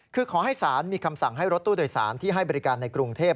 คือขอให้ศาลมีคำสั่งให้รถตู้โดยสารที่ให้บริการในกรุงเทพ